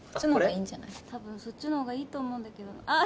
多分そっちの方がいいと思うんだけどあっ